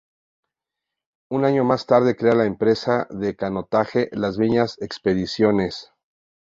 Un año más tarde crea la empresa de canotaje "Las Viñas Expediciones".